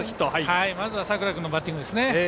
まずは佐倉君のバッティングですね。